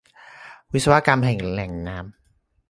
วิศวกรรมแหล่งน้ำ